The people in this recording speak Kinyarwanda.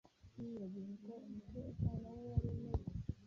Yiyibagije uko umutekano we wari umeze,